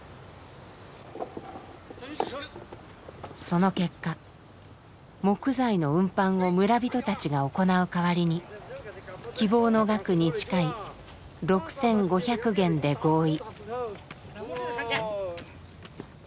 その結果木材の運搬を村人たちが行う代わりに希望の額に近い６，５００元で合意。